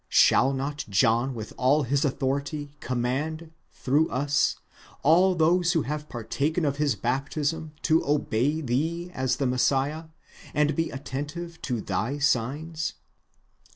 —shall not John with all his authority command, through us, all those who have partaken of his baptism to obey thee as the Messiah, and be attentive to thy signs